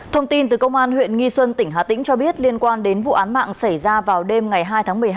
thông tin từ công an huyện nghi xuân tỉnh hà tĩnh cho biết liên quan đến vụ án mạng xảy ra vào đêm ngày hai tháng một mươi hai